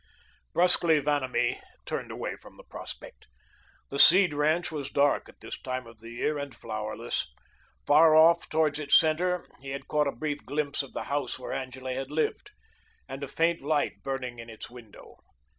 Brusquely Vanamee turned away from the prospect. The Seed ranch was dark at this time of the year, and flowerless. Far off toward its centre, he had caught a brief glimpse of the house where Angele had lived, and a faint light burning in its window.